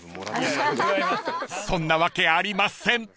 ［そんなわけありません！］